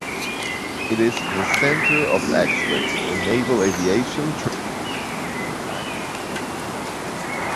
It is the center of excellence for naval aviation training and tactics development.